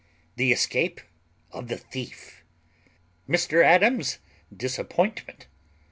_The escape of the thief. Mr Adams's disappointment.